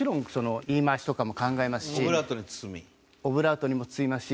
オブラートにも包みますし。